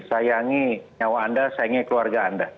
sayangi nyawa anda sayangi keluarga anda